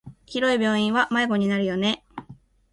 広い病院は迷子になるよね。